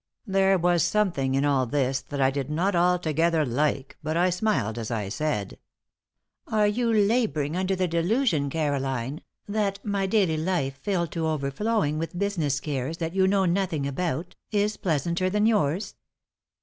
There was something in all this that I did not altogether like, but I smiled as I said: "Are you laboring under the delusion, Caroline, that my daily life, filled to overflowing with business cares that you know nothing about, is pleasanter than yours?